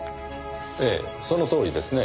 ええそのとおりですねぇ。